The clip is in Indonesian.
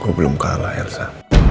gue belum kalah elsa